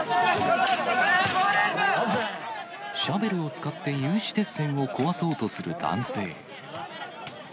シャベルを使って有刺鉄線を壊そうとする男性。